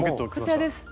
こちらです！